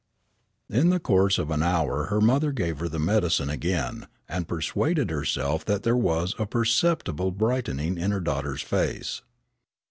In the course of an hour her mother gave her the medicine again, and persuaded herself that there was a perceptible brightening in her daughter's face.